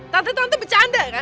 tante tante bercanda kan